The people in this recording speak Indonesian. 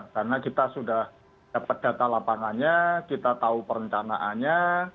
karena kita sudah dapat data lapangannya kita tahu perencanaannya